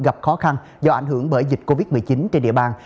gặp khó khăn do ảnh hưởng bởi dịch covid một mươi chín trên địa bàn